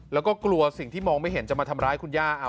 แล้วก็กลัวสิ่งที่มองไม่เห็นจะมาทำร้ายคุณย่า